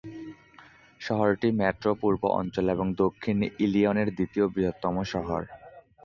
শহরটি মেট্রো-পূর্ব অঞ্চল এবং দক্ষিণ ইলিনয়ের দ্বিতীয় বৃহত্তম শহর।